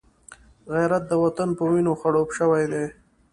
غیرت د وطن په وینو خړوب شوی دی